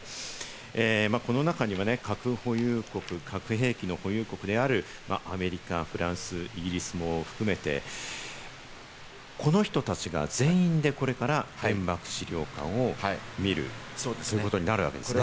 この中には核保有国・核兵器の保有国であるアメリカ、フランス、イギリスも含めて、この人たちが全員でこれから原爆資料館を見ることになるわけですね。